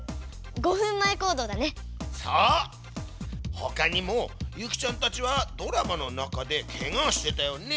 ほかにもユキちゃんたちはドラマの中でケガしてたよね。